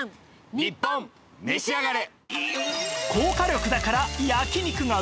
『ニッポンめしあがれ』。